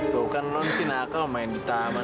tuh kan non sih nakal main di taman